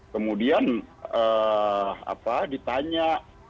kemudian apa ditanya